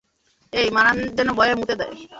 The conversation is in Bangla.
এই, মারান যেন ভয়ে মুতে দেয়।